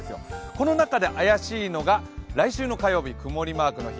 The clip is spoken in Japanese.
この中で怪しいのが、来週の火曜日曇りマークの日。